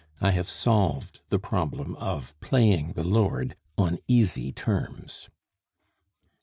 I have solved the problem of playing the lord on easy terms."